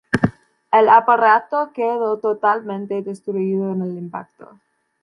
El aparato quedó totalmente destruido en el impacto.